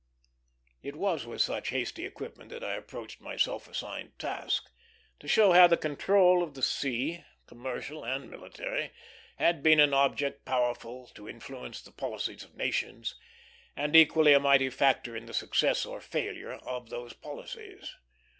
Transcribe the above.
It was with such hasty equipment that I approached my self assigned task, to show how the control of the sea, commercial and military, had been an object powerful to influence the policies of nations; and equally a mighty factor in the success or failure of those policies.